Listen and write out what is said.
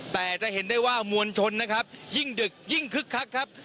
แต่จะเห็นได้ว่ามวลชนนะครับยิ่งดึกยิ่งคึกคักครับ